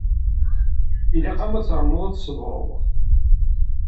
Ilaq-am ad ternuḍ ad tṣebreḍ.